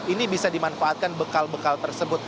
ini bisa dimanfaatkan bekal bekal tersebut